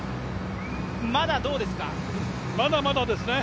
まだまだですね。